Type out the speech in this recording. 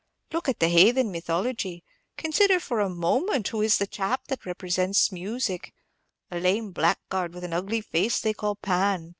Look at the haythen mythology; consider for a moment who is the chap that represents Music, a lame blackguard, with an ugly face, they call Pan.